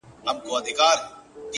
زما د خيال د فلسفې شاعره !!